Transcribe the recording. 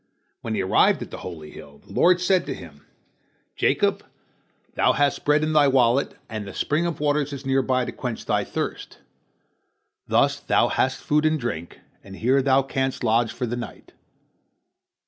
When he arrived at the holy hill, the Lord said to him: "Jacob, thou hast bread in thy wallet, and the spring of waters is near by to quench thy thirst. Thus thou hast food and drink, and here thou canst lodge for the night."